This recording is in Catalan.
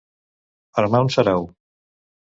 Armar un sarau.